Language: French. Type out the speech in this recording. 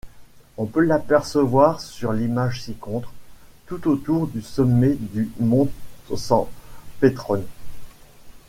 On peut l'apercevoir sur l'image ci-contre, tout autour du sommet du Monte San Petrone.